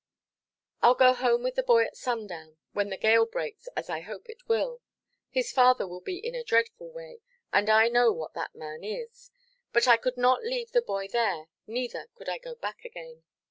"Iʼll go home with the boy at sundown, when the gale breaks, as I hope it will. His father will be in a dreadful way, and I know what that man is. But I could not leave the boy there, neither could I go back again."